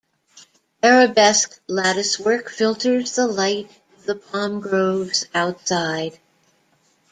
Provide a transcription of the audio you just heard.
Arabesque latticework filters the light of the palm groves outside.